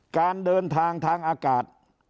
การเดินทางทางอากาศ